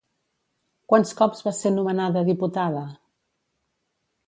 Quants cops va ser nomenada diputada?